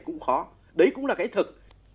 cũng khó đấy cũng là cái thật